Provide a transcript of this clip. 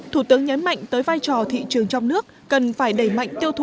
thủ tướng nhấn mạnh tới vai trò thị trường trong nước cần phải đẩy mạnh tiêu thụ